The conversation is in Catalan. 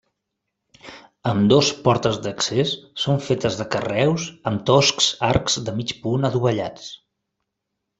Ambdós portes d'accés són fetes de carreus amb toscs arcs de mig punt adovellats.